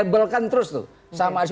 dilebelkan terus tuh